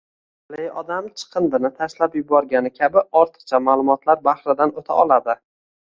Aqlli odam – chiqindini tashlab yuborgani kabi – ortiqcha ma’lumotlar bahridan o‘ta oladi